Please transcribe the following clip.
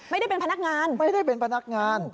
ไม่ได้เป็นพนักงาน